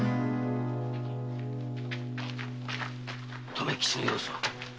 留吉の様子は？